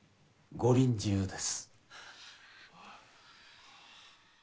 ご臨終です。